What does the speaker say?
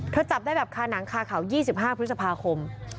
เธอจับได้แบบขอนางคาข่าว๒๕พฤษภาคม